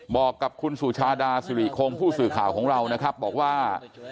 บอกกับคุณสุชาดาสุริคงผู้สื่อข่าวของเรานะครับบอกว่า